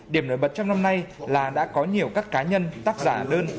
điểm nổi bật trong năm nay là đã có nhiều các cá nhân tác giả đơn